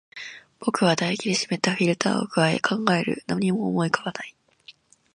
僕は唾液で湿ったフィルターを咥え、考える。何も思い浮かばない。